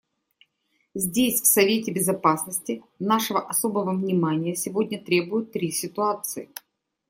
Здесь, в Совете Безопасности, нашего особого внимания сегодня требуют три ситуации.